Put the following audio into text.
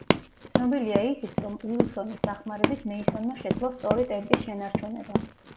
ცნობილია ისიც, რომ უილსონის დახმარებით მეისონმა შეძლო სწორი ტემპის შენარჩუნება.